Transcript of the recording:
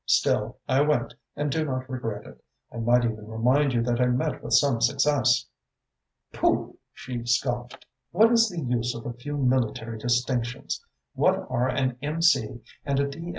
"Still, I went and I do not regret it. I might even remind you that I met with some success." "Pooh!" she scoffed. "What is the use of a few military distinctions? What are an M.C. and a D.